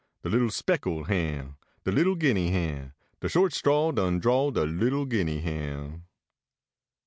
De little speckle hen, De little Guinea heu, De short straw done draw de little Guinea hen.